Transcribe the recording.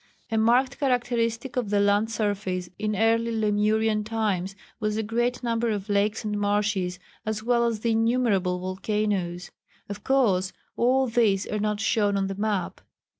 A marked characteristic of the land surface in early Lemurian times was the great number of lakes and marshes, as well as the innumerable volcanoes. Of course, all these are not shown on the map.